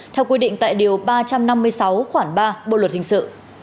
theo quy định tại điều ba trăm năm mươi sáu khoảng ba bộ luật hình sự